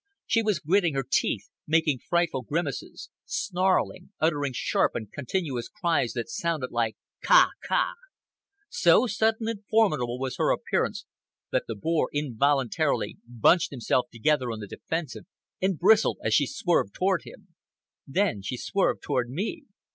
She was gritting her teeth, making frightful grimaces, snarling, uttering sharp and continuous cries that sounded like "kh ah! kh ah!" So sudden and formidable was her appearance that the boar involuntarily bunched himself together on the defensive and bristled as she swerved toward him. Then she swerved toward me.